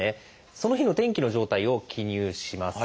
その日の「天気」の状態を記入します。